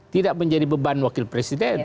tidak menjadi beban wakil presiden